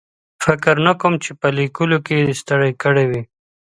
فکر نه کوم چې په لیکلو کې ستړی کړی وي.